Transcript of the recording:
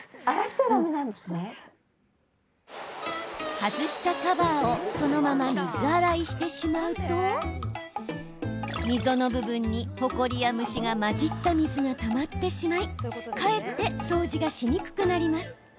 外したカバーをそのまま水洗いしてしまうと溝の部分に、ほこりや虫が混じった水がたまってしまいかえって掃除がしにくくなります。